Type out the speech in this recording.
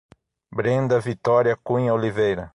Brenda Vitoria Cunha Oliveira